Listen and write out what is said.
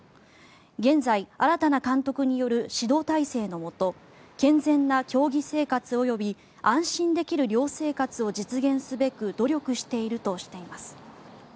現在、新たな監督による指導体制のもと健全な競技生活及び安心できる寮生活を実現すべく努力しているとしています。